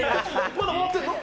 まだ回ってるの？